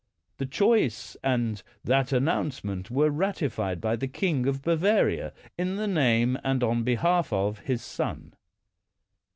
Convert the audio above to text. The choice and that announcement were rati fied by the king of Bavaria in the name and on behalf of his son.